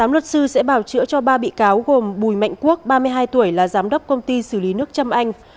tám luật sư sẽ bào chữa cho ba bị cáo gồm bùi mạnh quốc ba mươi hai tuổi là giám đốc công ty xử lý nước trâm anh